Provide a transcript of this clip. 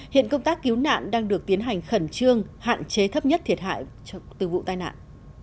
hiện công tác cứu nạn đang được tiến hành khẩn trương hạn chế thấp nhất thiệt hại từ vụ tai nạn